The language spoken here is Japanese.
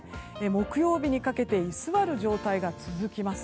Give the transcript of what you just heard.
木曜日にかけて居座る状態が続きます。